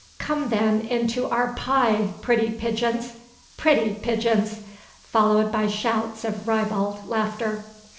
Come then into our pie, pretty pigeons, pretty pigeons!" followed by shouts of ribald laughter.